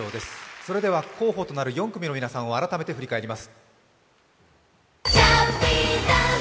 それでは候補となる４組の皆さんを改めて振り返ります